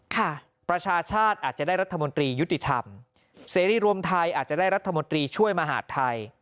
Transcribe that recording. ประชาชาติอาจจะได้รัฐมนตรียุติธรรมเสรีรวมไทยอาจจะได้รัฐมนตรีช่วยมหาดไทย